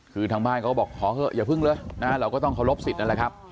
คือทางบ้านเขาบอกขอเถอะอย่าพึ่งเลยนะเราก็ต้องเคารพสิทธิ์นั่นแหละครับ